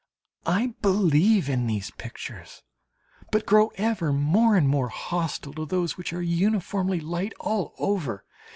I believe in these pictures, but grow ever more and more hostile to those which are uniformly light all over.